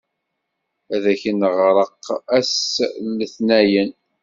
Ad ak-n-ɣṛeɣ ass Letnayen.